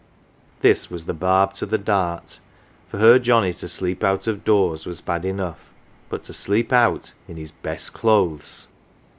This was the barb to the dart for her Johnnie to sleep out of doors was bad enough, but to sleep out in his best clothes